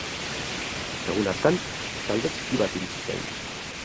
Egun hartan, talde txiki bat iritsi zen.